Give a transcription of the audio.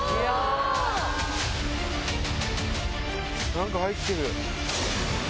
何か入ってる！